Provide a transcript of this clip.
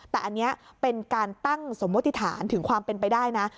แต่อันนี้เป็นการตั้งสมมติฐานถึงความเป็นไปได้นะ